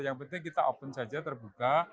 yang penting kita open saja terbuka